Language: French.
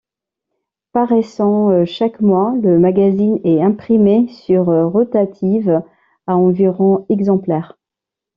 Paraissant chaque mois, le magazine est imprimé sur rotative à environ exemplaires.